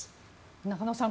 中野さん